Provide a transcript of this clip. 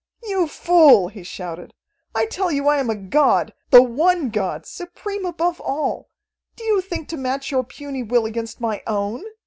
"You fool!" he shouted. "I tell you I am a god, the one god, supreme above all. Do you think to match your puny will against my own?